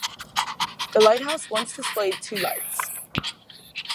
The lighthouse once displayed two lights.